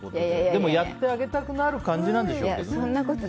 でも、やってあげたくなる感じなんでしょうけどね。